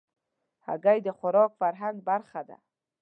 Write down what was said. هګۍ د خوراک فرهنګ برخه ده.